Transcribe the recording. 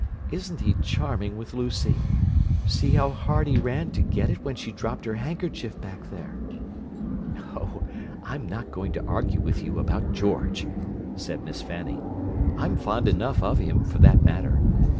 Isn't he charming with Lucy! See how hard he ran to get it when she dropped her handkerchief back there." "Oh, I'm not going to argue with you about George!" said Miss Fanny. "I'm fond enough of him, for that matter.